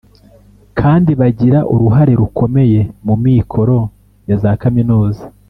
kandi bagira uruhare rukomeye mu mikoro ya za kaminuza